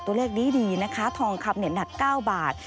ตัวเลขดีนะคะทองขับเน็ตหนัก๙บาท